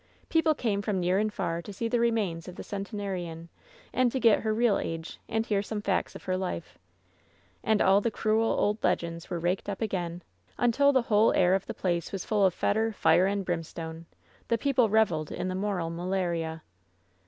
People came from far and near to see the remains of the centenarian, and to get her real age, and hear some facts of her life. And all the cruel old l^ends were raked up again, until the whole air of the place was full of fetor, fire and brimstone. The people reveled in the moral malaria.